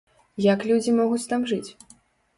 Як людзі могуць там жыць?